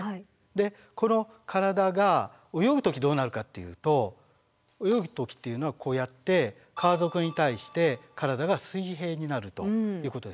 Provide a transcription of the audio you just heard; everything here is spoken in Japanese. でこの体が泳ぐ時どうなるかっていうと泳ぐ時っていうのはこうやって川底に対して体が水平になるということですね。